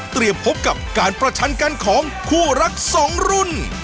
พบกับการประชันกันของคู่รักสองรุ่น